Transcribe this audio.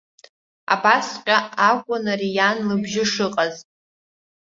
Абасҵәҟьа акәын ари иан лыбжьы шыҟаз.